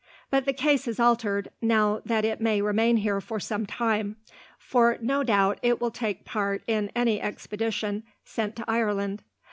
But the case is altered, now that it may remain here for some time, for no doubt it will take part in any expedition sent to Ireland.